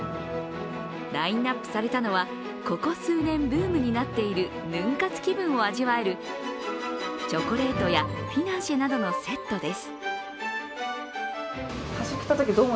ラインナップされたのはここ数年ブームになっているヌン活気分を味わえるチョコレートやフィナンシェなどのセットです。